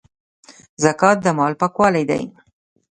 زکات د مال پاکوالی دی